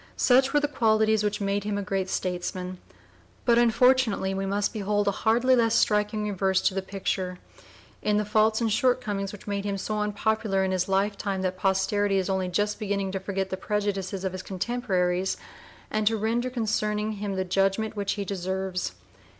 Such were the qualities which made him a great statesman; but unfortunately we must behold a hardly less striking reverse to the picture, in the faults and shortcomings which made him so unpopular in his lifetime that posterity is only just beginning to forget the prejudices of his contemporaries and to render concerning him the judgment which he deserves.